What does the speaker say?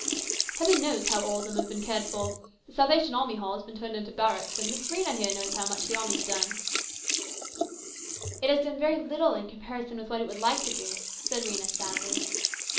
" Heaven knows how all of them have been cared for. The Salvation Army Hall has been turned into barracks, and Miss Rhena here knows how much the army has done." THE CONFERENCE. 245 '<<" It has done very little in comparison with what it would like to do," said Rhena sadly.